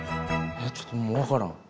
えっちょっともう分からん。